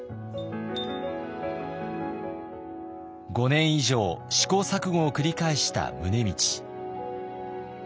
５年以上試行錯誤を繰り返した宗理。